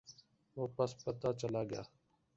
وہ پس پردہ چلاگیا۔